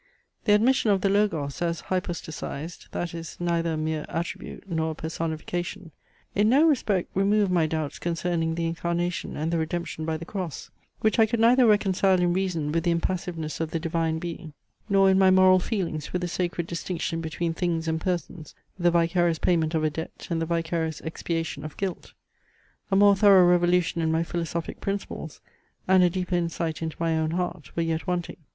The admission of the Logos, as hypostasized (that is, neither a mere attribute, nor a personification) in no respect removed my doubts concerning the Incarnation and the Redemption by the cross; which I could neither reconcile in reason with the impassiveness of the Divine Being, nor in my moral feelings with the sacred distinction between things and persons, the vicarious payment of a debt and the vicarious expiation of guilt. A more thorough revolution in my philosophic principles, and a deeper insight into my own heart, were yet wanting.